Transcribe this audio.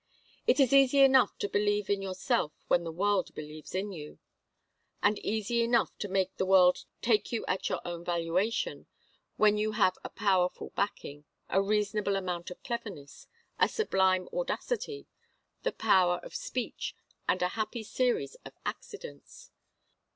It is easy enough to believe in yourself when the world believes in you, and easy enough to make the world take you at your own valuation when you have a powerful backing, a reasonable amount of cleverness, a sublime audacity, the power of speech, and a happy series of accidents.